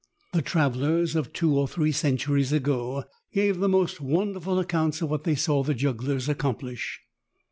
The travelers of two or three eenturies ago gave the most wonder ful accounts of what they saw the jugglers accomplish.